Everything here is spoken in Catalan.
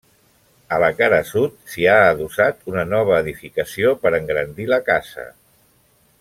A la cara sud, s'hi ha adossat una nova edificació per engrandir la casa.